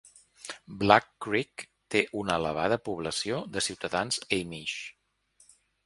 Black Creek té una elevada població de ciutadans amish.